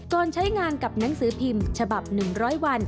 ใช้งานกับหนังสือพิมพ์ฉบับ๑๐๐วัน